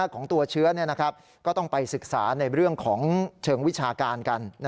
ของตัวเชื้อก็ต้องไปศึกษาในเรื่องของเชิงวิชาการกัน